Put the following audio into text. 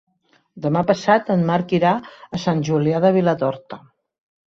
Demà passat en Marc irà a Sant Julià de Vilatorta.